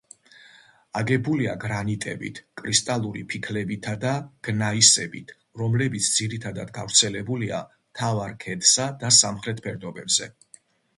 აგებულია გრანიტებით, კრისტალური ფიქლებითა და გნაისებით, რომლებიც ძირითადად გავრცელებულია მთავარ ქედსა და სამხრეთ ფერდობებზე.